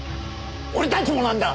俺たちもなんだ！